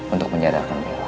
untuk menjadarkan bella